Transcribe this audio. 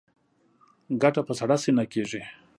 ګټه په سړه سینه کېږي.